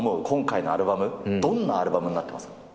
今回のアルバム、どんなアルバムになってますか。